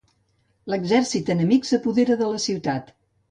L'exèrcit enemic s'apoderà de la ciutat.